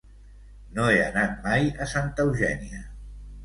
No he anat mai a Santa Eugènia.